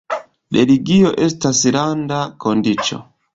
Religio estas randa kondiĉo.